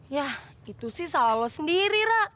yah itu sih salah lo sendiri rak